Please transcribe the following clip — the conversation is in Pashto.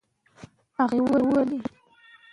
د ماشومانو راتلونکې باید روښانه وي.